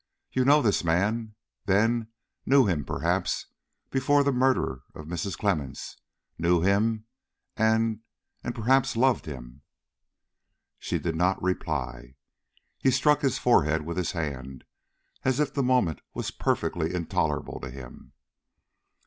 "You know this man, then knew him, perhaps, before the murder of Mrs. Clemmens; knew him, and and, perhaps, loved him?" She did not reply. He struck his forehead with his hand, as if the moment was perfectly intolerable to him.